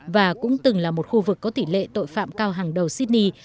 và cũng từng là một khu vực có tỷ lệ tội phạm cao hàng đầu sydney